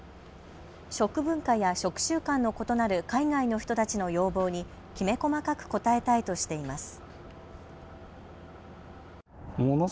食文化や食習慣の異なる海外の人たちの要望にきめ細かく応えたいとしています。